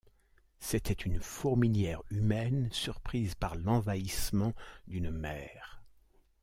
C’était une fourmilière humaine surprise par l’envahissement d’une mer !